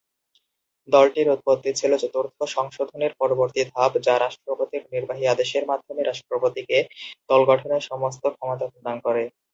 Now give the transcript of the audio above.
দলটির উৎপত্তি ছিল চতুর্থ সংশোধনীর পরবর্তী ধাপ যা রাষ্ট্রপতির নির্বাহী আদেশের মাধ্যমে রাষ্ট্রপতিকে দল গঠনের সমস্ত ক্ষমতা প্রদান করে।